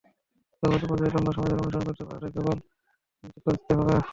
সর্বোচ্চ পর্যায়ে লম্বা সময় ধরে অনুশীলন করতে পারাটাই কেবল নিশ্চিত করতে হবে।